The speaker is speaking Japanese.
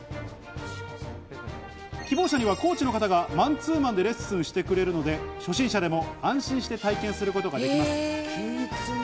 希望者にはコーチの方がマンツーマンでレッスンしてくれるので、初心者でも安心して体験することができます。